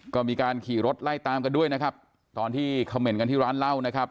ก็มีการขี่รถไล่ตามกันด้วยนะครับตอนที่คำเห็นกันที่ร้านเหล้านะครับ